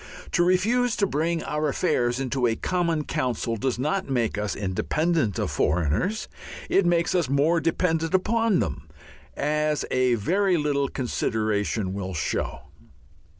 To refuse to bring our affairs into a common council does not make us independent of foreigners. It makes us more dependent upon them, as a very little consideration will show.